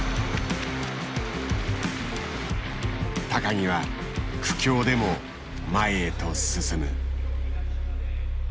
木は苦境でも前へと進む。